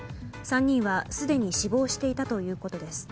３人はすでに死亡していたということです。